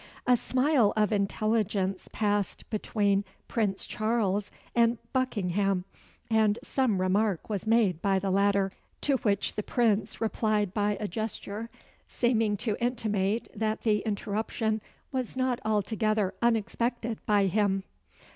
A smile of intelligence passed between Prince Charles and Buckingham; and some remark was made by the latter, to which the Prince replied by a gesture, seeming to intimate that the interruption was not altogether unexpected by him.